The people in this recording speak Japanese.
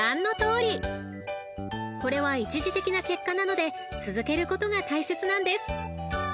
［これは一時的な結果なので続けることが大切なんです］